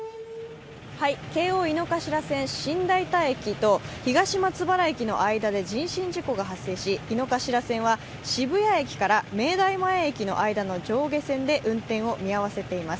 京王井の頭線新代田駅と東松原駅の間で人身事故が発生し井の頭線は渋谷駅から明大前駅の間の上下線で運転を見合わせています。